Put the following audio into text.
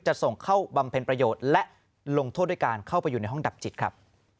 ส่งเข้าบำเพ็ญประโยชน์และลงโทษด้วยการเข้าไปอยู่ในห้องดับจิตครับ